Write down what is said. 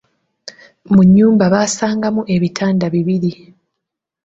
Mu nnyumba baasangamu ebitanda bibiri.